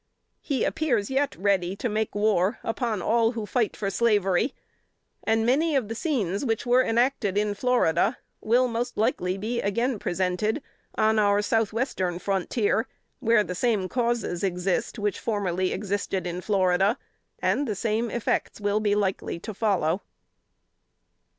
He appears yet ready to make war upon all who fight for slavery; and many of the scenes which were enacted in Florida, will most likely be again presented on our south western frontier, where the same causes exist which formerly existed in Florida, and the same effects will be likely to follow.